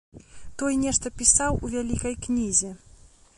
Той нешта пісаў у вялікай кнізе.